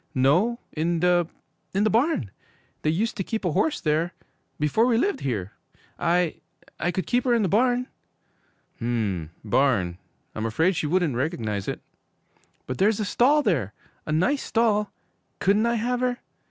'No, in the in the barn! They used to keep a horse there before we lived here! I I could keep her in the barn!' 'M m, barn? I'm afraid she wouldn't recognize it.' 'But there's a stall there! A nice stall! Couldn't I have her?'